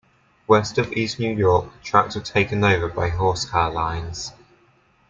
West of East New York, the tracks were taken over by horse car lines.